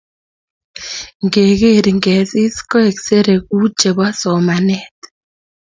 ngegeer ngegeesis koek sere ku chebo somanet